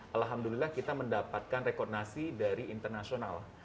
alhamdulillah kita mendapatkan rekonansi dari internasional